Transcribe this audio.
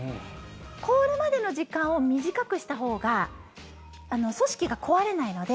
凍るまでの時間を短くしたほうが組織が壊れないので